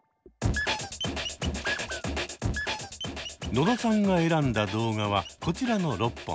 野田さんが選んだ動画はこちらの６本。